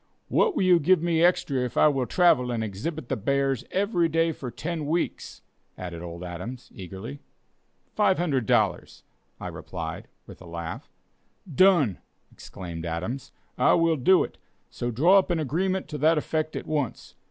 "What will you give me extra if I will travel and exhibit the bears every day for ten weeks?" added old Adams, eagerly. "Five hundred dollars," I replied, with a laugh. "Done!" exclaimed Adams, "I will do it, so draw up an agreement to that effect at once.